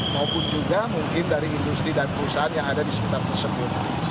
maupun juga mungkin dari industri dan perusahaan yang ada di sekitar tersebut